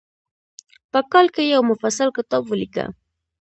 په کال کې یو مفصل کتاب ولیکه.